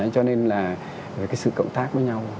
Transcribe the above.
cho nên là sự cộng tác với nhau